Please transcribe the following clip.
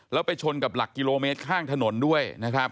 แล้วไปชนกับหลักกิโลเมตรข้างถนนด้วยนะครับ